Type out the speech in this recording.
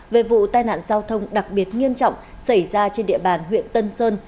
về vụ tai nạn giao thông đặc biệt nghiêm trọng xảy ra trên địa bàn huyện tân sơn